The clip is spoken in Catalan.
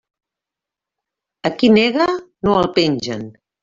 A qui nega no el pengen.